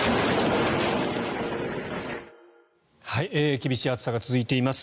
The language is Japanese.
厳しい暑さが続いています。